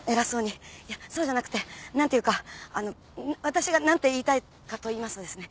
いやそうじゃなくて何ていうかあの私が何て言いたいかと言いますとですね